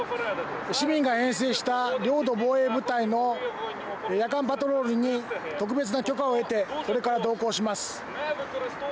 市民が編成した領土防衛部隊も夜間パトロールに特別な許可を得てこれから同行します。